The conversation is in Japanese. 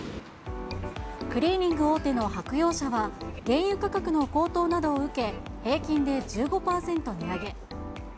クリーニング大手のはくようしゃは、原油価格の高騰などを受け、平均で１５％値上げ。